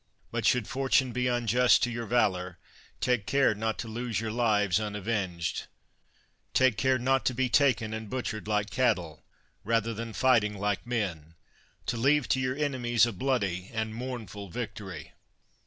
But should Fortune be unjust to your valor, take care not to lose your lives unavenged ; take care not to be taken and butchered like cattle, rather than fighting like men, to leave to your enemies a bloody and mournful victory.